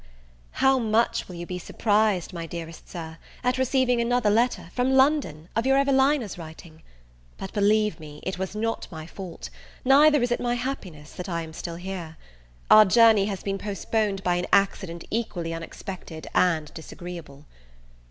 HOW much will you be surprised, my dearest Sir, at receiving another letter, from London, of your Evelina's writing! But, believe me, it was not my fault, neither is it my happiness, that I am still here: our journey has been postponed by an accident equally unexpected and disagreeable.